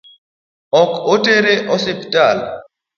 Ok otere osiptal?